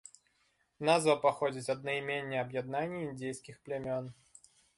Назва паходзіць ад наймення аб'яднання індзейскіх плямён.